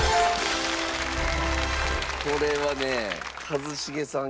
これはね一茂さん